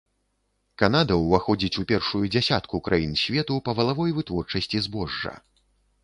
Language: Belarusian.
Канада ўваходзіць у першую дзясятку краін свету па валавой вытворчасці збожжа.